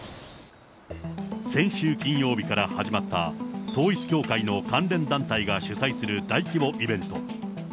先週金曜日から始まった、統一教会の関連団体が主催する大規模イベント。